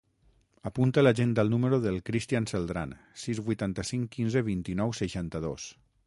Apunta a l'agenda el número del Christian Celdran: sis, vuitanta-cinc, quinze, vint-i-nou, seixanta-dos.